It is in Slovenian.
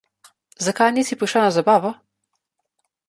Zakaj nisi prišla na zabavo?